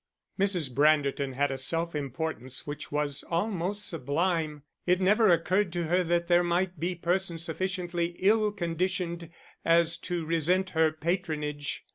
Mrs. Branderton had a self importance which was almost sublime; it never occurred to her that there might be persons sufficiently ill conditioned as to resent her patronage.